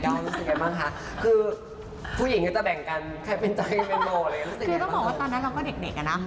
ต้องบอกว่าตอนนั้นเราก็เด็ก